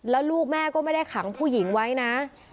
แล้วลูกแม่ก็ไม่ได้ขังผู้หญิงไว้นะ